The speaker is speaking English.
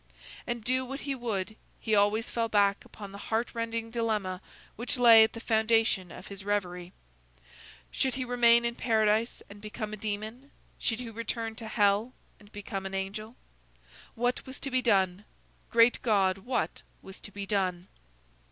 And do what he would, he always fell back upon the heartrending dilemma which lay at the foundation of his reverie: "Should he remain in paradise and become a demon? Should he return to hell and become an angel?" What was to be done? Great God! what was to be done?